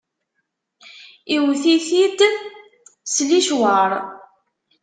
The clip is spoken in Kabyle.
Iwwet-it-id s licwaṛ.